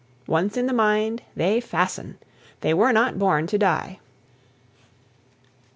Once in the mind, they fasten. They were not born to die.